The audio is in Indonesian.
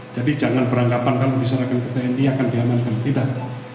jangan beranggapan kalau diserahkan ke tni akan diamankan tidak